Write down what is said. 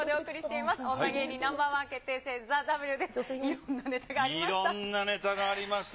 いろんなネタがありました。